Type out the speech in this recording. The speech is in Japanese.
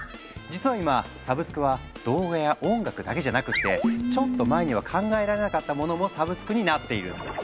実は今サブスクは動画や音楽だけじゃなくってちょっと前には考えられなかったものもサブスクになっているんです。